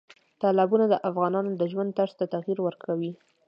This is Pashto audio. تالابونه د افغانانو د ژوند طرز ته تغیر ورکوي.